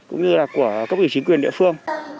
cũng như là của cấp ủy chính quyền địa phương